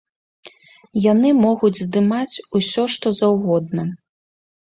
Яны могуць здымаць усё, што заўгодна.